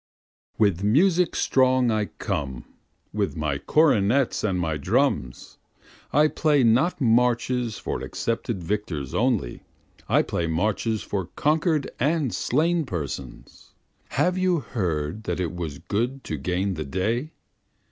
18 With music strong I come, with my cornets and my drums, I play not marches for accepted victors only, I play marches for conquerâd and slain persons. Have you heard that it was good to gain the day?